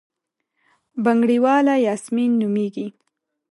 بنګړیواله یاسمین نومېږي.